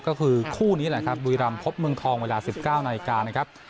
ก็คือคู่นี้แหละครับบุยรัมพบเมืองทองเวลาสิบเก้าในการนะครับ